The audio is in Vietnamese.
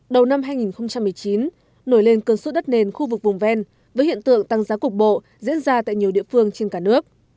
đầu năm hai nghìn một mươi chín nổi lên cơn suốt đất nền khu vực vùng ven với hiện tượng tăng giá cục bộ diễn ra tại nhiều địa phương trên cả nước